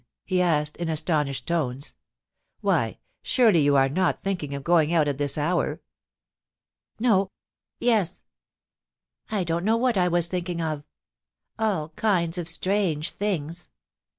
* he asked in astonished tones. *Why, surely you are not thinking of going out at this hour?* * No — yes ! I don't know what I was thinking of — all 272 POLICY AND PASSION. kinds of strange things.